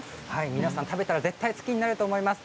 皆さん食べたら絶対に好きになると思います。